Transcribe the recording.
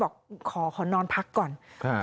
พูดสิทธิ์ข่าวบอกว่าพระต่อว่าชาวบ้านที่มายืนล้อมอยู่แบบนี้ค่ะ